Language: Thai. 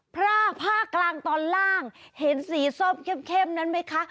พระภาคกลางตอนล่างเห็นสีส้มเข้มนั้นไหมคะ